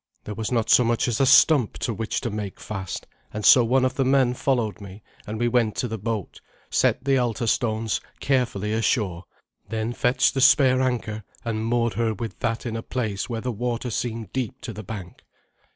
There was not so much as a stump to which to make fast, and so one of the men followed me, and we went to the boat, set the altar stones carefully ashore, then fetched the spare anchor, and moored her with that in a place where the water seemed deep to the bank.